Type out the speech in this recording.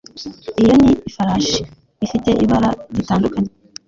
Iyo ni ifarashi ifite ibara ritandukanye